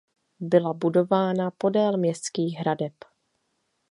Byla budována podél městských hradeb.